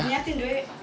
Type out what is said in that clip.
dinyatin dulu ya